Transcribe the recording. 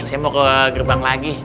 saya mau ke gerbang lagi